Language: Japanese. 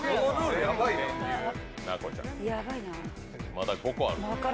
まだ５個ある。